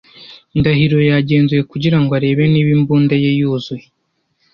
Ndahiro yagenzuye kugira ngo arebe niba imbunda ye yuzuye.